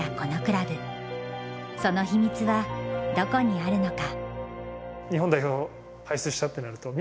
その秘密はどこにあるのか？